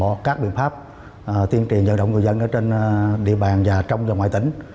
hoặc các biện pháp tiên triền nhận động người dân ở trên địa bàn và trong và ngoài tỉnh